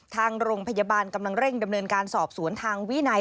ทางโรงพยาบาลกำลังเร่งดำเนินการสอบสวนทางวินัย